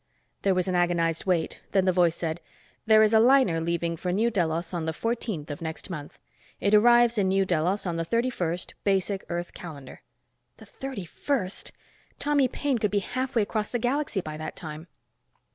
There was an agonized wait, and then the voice said, "There is a liner leaving for New Delos on the 14th of next month. It arrives in New Delos on the 31st, Basic Earth calendar." The 31st! Tommy Paine could be halfway across the galaxy by that time.